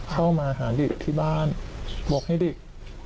เข้ามาหาเด็กที่บ้านบอกให้เด็ก